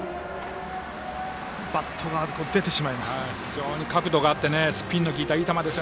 バットが出てしまいます。